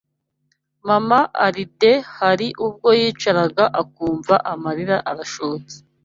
Mama Alide hari ubwo yicaraga akumva amarira arashotse